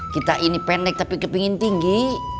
kita ini pendek tapi kepingin tinggi